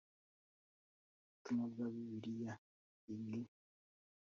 Ubutumwa bwa Bibiliya igi